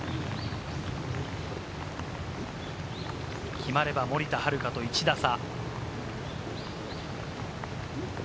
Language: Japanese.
決まれば森田遥と１打差。